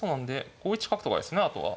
５一角とかですねあとは。